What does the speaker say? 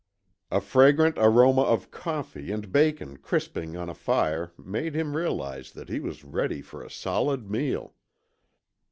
A fragrant aroma of coffee and bacon crisping on a fire made him realize that he was ready for a solid meal.